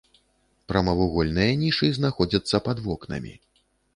Прамавугольныя нішы знаходзяцца пад вокнамі.